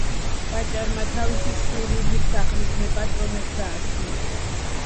ვაჭარმა თავისი სურვილი სახლის მეპატრონეს გააცნო.